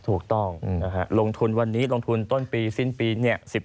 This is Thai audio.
ถูกต้องลงทุนวันนี้ลงทุนต้นปีสิ้นปี